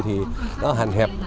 thì nó hàn hẹp